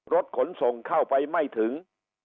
รถขนส่งเข้าไปไม่ถึง